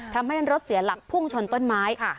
ทำให้รถเสียหลักพุ่งชนต้นไม้